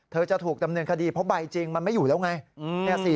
จะถูกดำเนินคดีเพราะใบจริงมันไม่อยู่แล้วไง